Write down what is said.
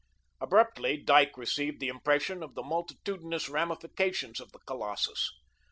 Abruptly Dyke received the impression of the multitudinous ramifications of the colossus.